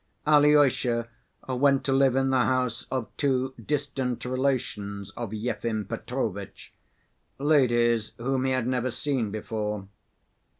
Alyosha went to live in the house of two distant relations of Yefim Petrovitch, ladies whom he had never seen before.